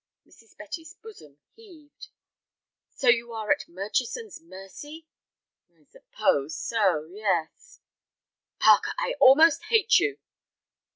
Mrs. Betty's bosom heaved. "So you are at Murchison's mercy?" "I suppose so, yes." "Parker, I almost hate you."